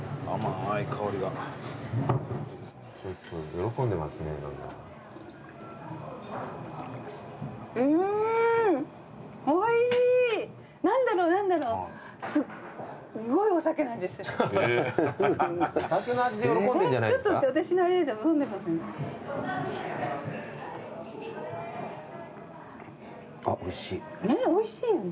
あっおいしい。